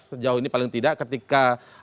sejauh ini paling tidak ketika